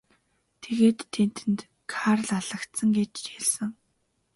Тэгээд тэдэнд Карл алагдсан гэж хэлсэн.